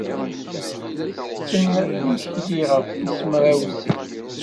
Ttetten imekli ɣef tis mraw sin.